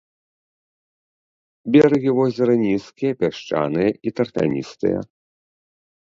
Берагі возера нізкія, пясчаныя і тарфяністыя.